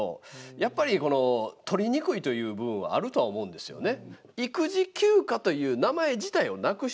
やっぱり取りにくいという部分はあるとは思うんですよね。